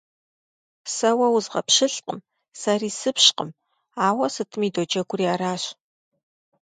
Сэ уэ узгъэпщылӀкъым, сэри сыпщкъым, ауэ сытми доджэгури аращ.